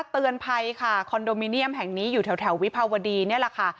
เตือนภัยค่ะคอนโดมิเนียมแห่งนี้อยู่แถววิภาวดีนี่แหละค่ะ